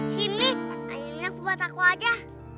sini ayunnya aku buat aku aja